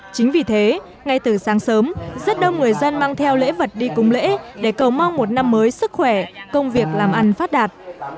chính vì thế ngay từ sáng sớm rất đông người dân mang theo lễ vật đi cúng lễ để cầu mong một năm mới sức khỏe công việc làm ăn phát đạt